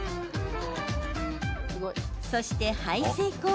そして排水口。